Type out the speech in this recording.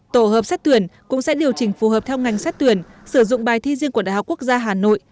tổ hợp xét tuyển cũng sẽ điều chỉnh phù hợp theo ngành xét tuyển sử dụng bài thi riêng của đại học quốc gia hà nội